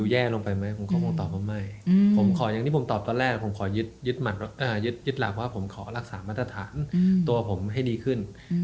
อย่างที่ผมตอบตอนแรกผมขอยึดหลักว่าผมขอรักษามาตรฐานตัวผมให้ดีขึ้น